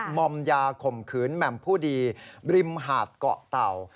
มอมยาข่มขืนแหม่มผู้ดีริมหาดเกาะเต่า